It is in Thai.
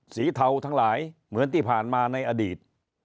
เทาทั้งหลายเหมือนที่ผ่านมาในอดีต